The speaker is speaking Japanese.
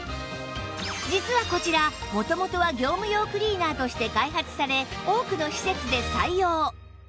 実はこちら元々は業務用クリーナーとして開発され多くの施設で採用